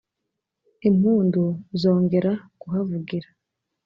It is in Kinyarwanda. impundu zongera kuhavugira